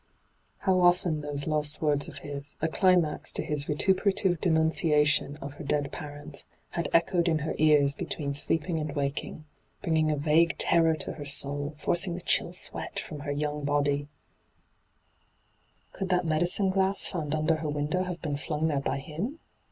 How often those last words of his, a climax to his vituperative denunciation of her dead parents, had echoed in her ears between sleeping and waking, bringing a vague terror to her soul, forcing the chill sweat from her young body ! D,gt,, 6rtbyGOOglC 278 ENTRAPPED Could that medioine^lass found under her window hare been flung there by him